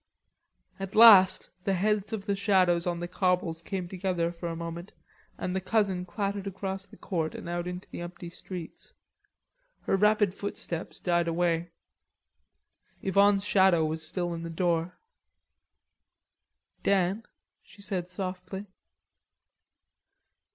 At last the heads of the shadows on the cobbles came together for a moment and the cousin clattered across the court and out into the empty streets. Her rapid footsteps died away. Yvonne's shadow was still in the door: "Dan," she said softly.